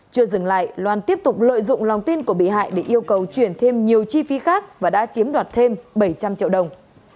chưa dừng lại loan tiếp tục lợi dụng lòng tin của bị hại để yêu cầu chuyển thêm nhiều chi phí khác và đã chiếm đoạt thêm bảy trăm linh triệu đồng